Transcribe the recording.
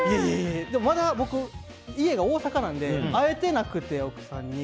でもまだ僕、家が大阪なんで会えてなくて、奥さんに。